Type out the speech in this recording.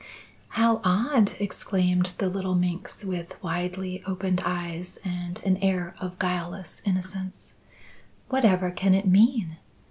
'" "How odd!" exclaimed the little minx with widely opened eyes and an air of guileless innocence. "Whatever can it mean?